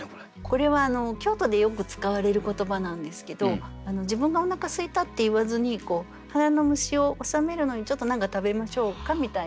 これは京都でよく使われる言葉なんですけど自分がおなかすいたって言わずに腹の虫をおさめるのにちょっと何か食べましょうかみたいな。